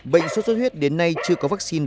bệnh sốt sốt huyết đến nay chưa có vaccine